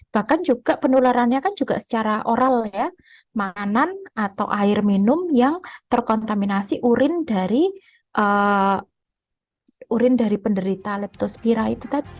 bahkan juga penularannya kan juga secara oral ya makanan atau air minum yang terkontaminasi urin dari urin dari penderita leptospira itu tadi